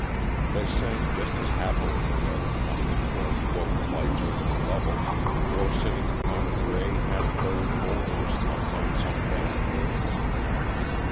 They sang just as happily, however, on their short, low flights over the levels, or sitting upon gray, half buried boulders upon some barren hilltop.